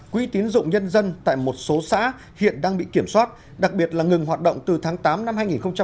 quỹ tín dụng nhân dân tại một số xã hiện đang bị kiểm soát đặc biệt là ngừng hoạt động từ tháng tám năm hai nghìn một mươi chín